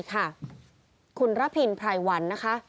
คุณระพินพลายวัน